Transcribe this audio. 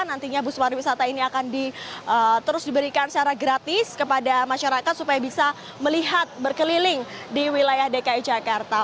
nantinya bus pariwisata ini akan terus diberikan secara gratis kepada masyarakat supaya bisa melihat berkeliling di wilayah dki jakarta